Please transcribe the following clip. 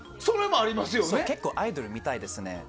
結構アイドル、見たいですね。